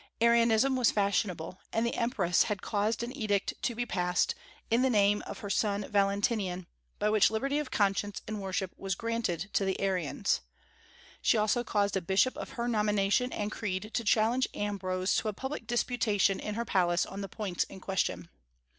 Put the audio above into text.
Arianism was fashionable; and the empress had caused an edict to be passed, in the name of her son Valentinian, by which liberty of conscience and worship was granted to the Arians. She also caused a bishop of her nomination and creed to challenge Ambrose to a public disputation in her palace on the points in question.